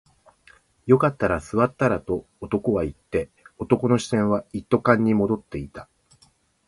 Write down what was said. よかったら座ったらと男は言って、男の視線は一斗缶に戻っていた